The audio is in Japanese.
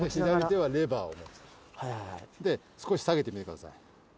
はいはいで少し下げてみてください